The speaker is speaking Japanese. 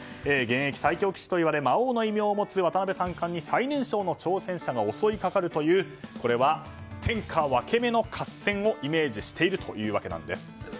現役最強棋士といわれ魔王の異名を持つ渡辺三冠に、最年少の挑戦者が襲いかかるというこれは天下分け目の合戦をイメージしているというわけです。